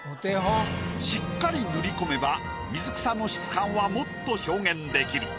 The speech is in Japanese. しっかり塗り込めば水草の質感はもっと表現できる。